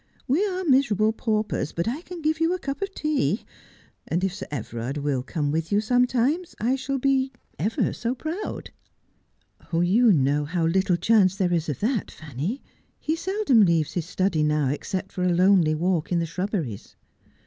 We are miserable paupers, but I can give you a cup of tea, and if Sir Everard will come with you sometimes I shall be — ever so proud.' 'You know how little chance there is of that, Fanny. He seldom leaves his study now except for a lonely walk in the shrubberies.'